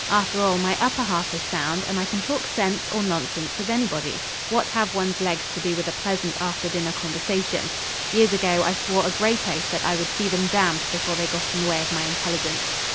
After all, my upper half is sound, and I can talk sense or nonsense with anybody. What have one's legs to do with a pleasant after dinner conversation? Years ago I swore a great oath that I would see them damned before they got in the way of my intelligence.